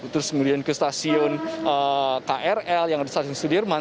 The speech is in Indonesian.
terus kemudian ke stasiun krl yang ada stasiun sudirman